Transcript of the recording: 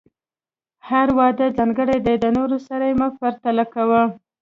هر واده ځانګړی دی، د نورو سره یې مه پرتله کوه.